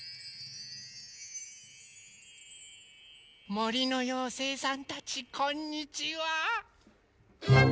もりのようせいさんたちこんにちは！